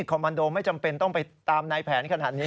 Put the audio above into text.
คอมมันโดไม่จำเป็นต้องไปตามนายแผนขนาดนี้